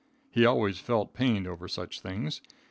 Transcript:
He always felt pained over such things.